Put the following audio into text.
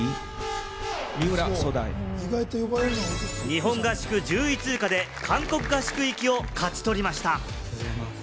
日本合宿１０位通過で韓国合宿行きを勝ち取りました。